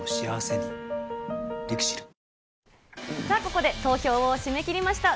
ここで投票を締め切りました。